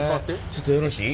ちょっとよろしい？